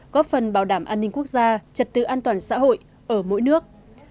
góp phần bảo đảm an ninh quốc gia trật tự an toàn xã hội ở mỗi nước